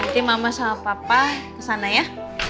dia mama sama papa kesana ya